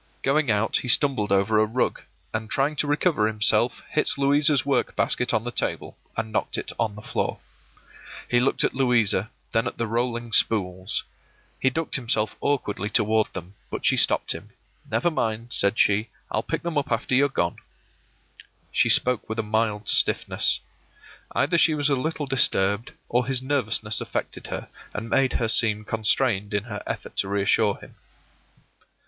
Going out, he stumbled over a rug, and trying to recover himself, hit Louisa's work basket on the table, and knocked it on the floor. He looked at Louisa, then at the rolling spools; he ducked himself awkwardly toward them, but she stopped him. “Never mind,” said she; “I'll pick them up after you're gone.” She spoke with a mild stiffness. Either she was a little disturbed, or his nervousness affected her, and made her seem constrained in her effort to reassure him.